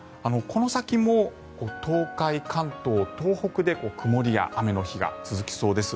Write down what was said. この先も東海、関東、東北で曇りや雨の日が続きそうです。